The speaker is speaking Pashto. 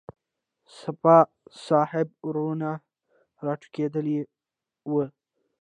سپاه صحابه ورنه راټوکېدلي وو.